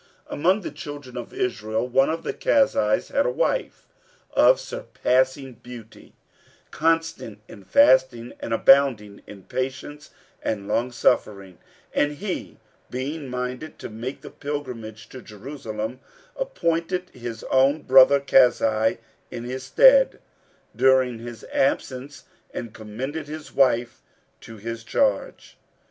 Among the Children of Israel one of the Kazis had a wife of surpassing beauty, constant in fasting and abounding in patience and long suffering; and he, being minded to make the pilgrimage to Jerusalem, appointed his own brother Kazi in his stead, during his absence, and commended his wife to his charge.